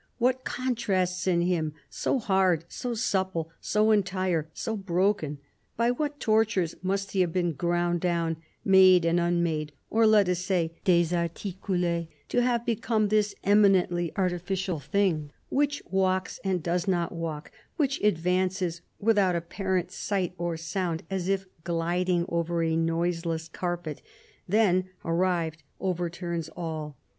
" What contrasts in him ! So hard, so supple, so entire, so broken ! By what tortures must he have been ground down, made and unmade, or let us say, desarticule, to have become this eminently artificial thing which walks and does not walk, which advances without apparent sight or sound, as if gliding over a noiseless carpet ... then, arrived, overturns all.